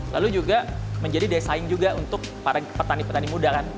lalu juga menjadi desain juga untuk para petani petani muda kan